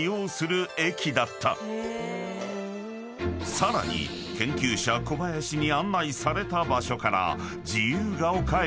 ［さらに研究者小林に案内された］